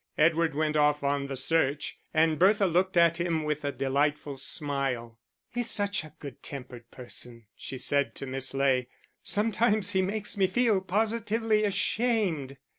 Edward went off on the search, and Bertha looked at him with a delightful smile. "He is such a good tempered person," she said to Miss Ley. "Sometimes he makes me feel positively ashamed."